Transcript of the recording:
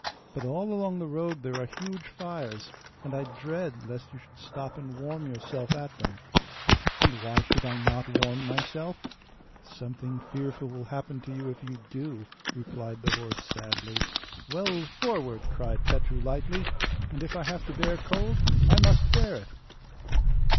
But all along the road there are huge fires, and I dread lest you should stop and warm yourself at them.' (2) In German 'Mittwoch,' the feminine form of Mercury. 'And why should I not warm myself?' 'Something fearful will happen to you if you do,' replied the horse sadly. 'Well, forward!' cried Petru lightly, 'and if I have to bear cold, I must bear it!